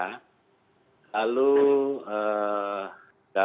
kemudian dia menyentuh jubah saya